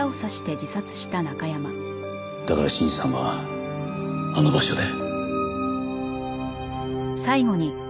だから信二さんはあの場所で。